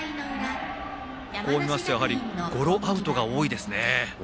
こう見ますとゴロアウトが多いですね。